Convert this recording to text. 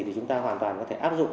thì chúng ta hoàn toàn có thể áp dụng